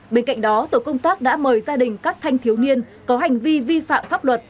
bên cạnh đó tổ công tác đã mời gia đình các thanh thiếu niên có hành vi vi phạm pháp luật